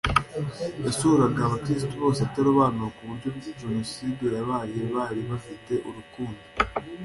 yasuraga abakirisito bose atarobanura ku buryo jenoside yabaye bari bafite urukundo